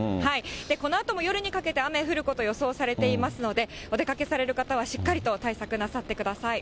このあとも夜にかけて、雨降ること予想されていますので、お出かけされる方は、しっかりと対策なさってください。